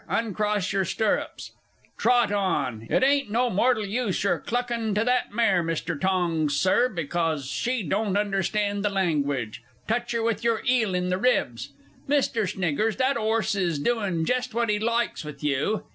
Uncross stirrups! Trot on! It ain't no mortal use your clucking to that mare, Mr. Tongs, Sir, because she don't understand the langwidge touch her with your 'eel in the ribs. Mr. Sniggers, that 'orse is doin' jest what he likes with you.